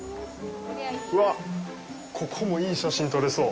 うわっ、ここもいい写真撮れそう。